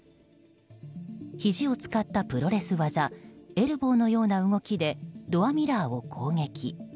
ひじを使ったプロレス技エルボーのような動きでドアミラーを攻撃。